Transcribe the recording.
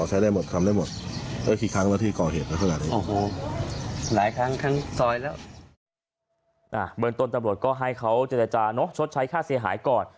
อ่าเบื้องต้นตรวจก็ให้เขาจริตจาน้อชดใช้ค่าเสียหายก่อน